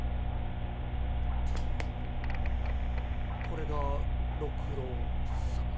これが六郎さん？